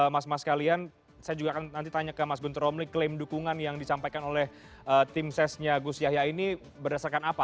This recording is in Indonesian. mas mas kalian saya juga akan nanti tanya ke mas guntur omni klaim dukungan yang disampaikan oleh tim sesnya gus yahya ini berdasarkan apa